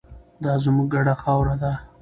دا زموږ ګډه خاوره ده.